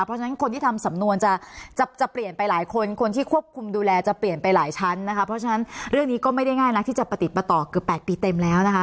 เพราะฉะนั้นคนที่ทำสำนวนจะจะเปลี่ยนไปหลายคนคนที่ควบคุมดูแลจะเปลี่ยนไปหลายชั้นนะคะเพราะฉะนั้นเรื่องนี้ก็ไม่ได้ง่ายนักที่จะประติดประต่อเกือบ๘ปีเต็มแล้วนะคะ